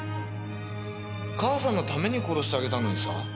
母さんのために殺してあげたのにさ。